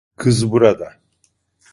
Kız burada.